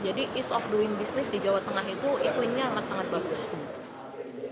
ease of doing business di jawa tengah itu iklimnya amat sangat bagus